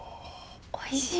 おいしい！